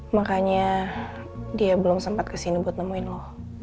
makanya dia belum sempet kesini buat nemenin lo